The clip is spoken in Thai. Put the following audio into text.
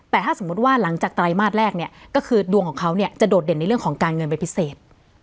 แต่ถ้าสมมุติว่าหลังจากไตรมาสแรกเนี่ยก็คือดวงของเขาเนี่ยจะโดดเด่นในเรื่องของการเงินไปพิเศษ